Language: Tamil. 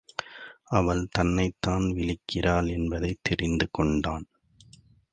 அவள் தன்னைத் தான் விளிக்கிறாள் என்பதைத் தெரிந்து கொண்டான்.